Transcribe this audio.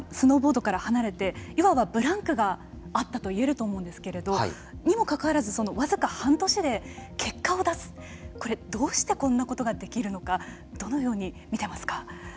３年間スノーボードから離れていわばブランクがあったといえると思うんですけどにもかかわらず、僅か半年で結果を出すこれはどうしてこんなことができるのかどのように見てますか。